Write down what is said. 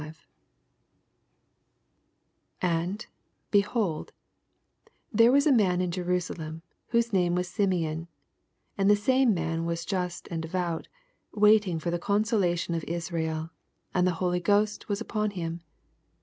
25 And, behold, there waa a man in Jemsalem, whoee name was Sim eon ; and the same man was jast and devout, wailing for the obnsolation of Israel ; and the Holy Ghost was upon him.